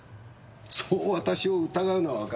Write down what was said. そう私を疑うのはわかる。